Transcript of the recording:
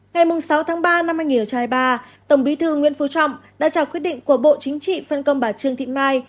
ngày sáu tháng ba năm hai nghìn hai mươi ba tổng bí thư nguyễn phú trọng đã trao quyết định của bộ chính trị phân công bà trương thị mai